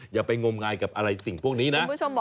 อย่าไปงมงายกับอะไรสิ่งพวกนี้นะ